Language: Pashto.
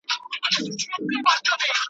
وایی تم سه خاطرې دي راته وایی .